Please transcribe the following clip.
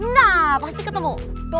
nah pasti ketemu